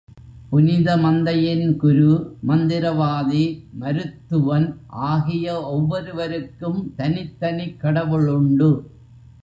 புனித மந்தையின் குரு, மந்திரவாதி, மருத்துவன் ஆகிய ஒவ்வொருவருக்கும் தனித்தனிக் கடவுளுண்டு.